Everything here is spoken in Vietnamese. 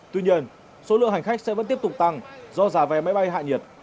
tuy nhiên số lượng hành khách sẽ vẫn tiếp tục tăng do giả vè máy bay hạ nhiệt